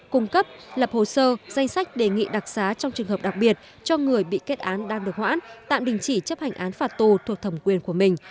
cung cấp lập hồ sơ danh sách đề nghị đặc xá trong trường hợp đặc biệt cho người bị kết án đang được hoãn tạm đình chỉ chấp hành án phạt tù thuộc thẩm quyền của mình